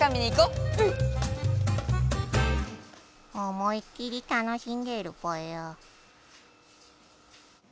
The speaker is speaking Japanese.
思い切り楽しんでいるぽよ。